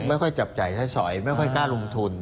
ไม่ค่อยจับจ่ายใช้สอยไม่ค่อยกล้าลงทุน